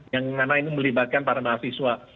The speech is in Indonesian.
yang mana ini melibatkan para mahasiswa